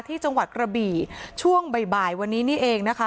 ที่จังหวัดกระบี่ช่วงบ่ายวันนี้นี่เองนะคะ